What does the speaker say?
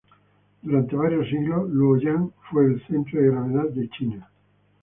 Durante varios siglos, Luoyang fue el centro de gravedad de China.